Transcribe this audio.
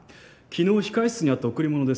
昨日控室にあった贈り物です。